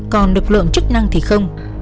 còn lực lượng chức năng thì không